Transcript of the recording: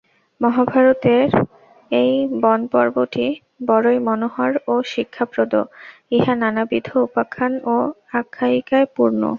মহাভারতের এই বনপর্বটি বড়ই মনোহর ও শিক্ষাপ্রদ, ইহা নানাবিধ উপাখ্যান ও আখ্যায়িকায় পূর্ণ।